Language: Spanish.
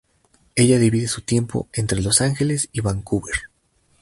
Ella divide su tiempo entre Los Ángeles y Vancouver.